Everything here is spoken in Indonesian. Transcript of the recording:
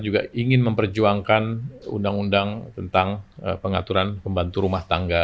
juga ingin memperjuangkan undang undang tentang pengaturan pembantu rumah tangga